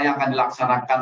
yang akan dilaksanakan